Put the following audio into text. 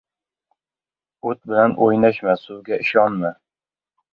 • O‘t bilan o‘ynashma, suvga ishonma.